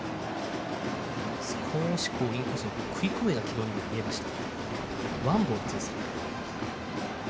少しインコースに食い込むような軌道にも見えました。